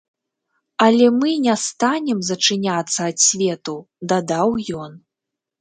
Але мы не станем зачыняцца ад свету, дадаў ён.